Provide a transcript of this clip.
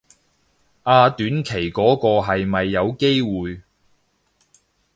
啊短期嗰個係咪有機會